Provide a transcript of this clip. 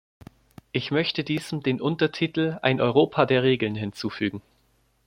Ich möchte diesem den Untertitel "Ein Europa der Regeln" hinzufügen.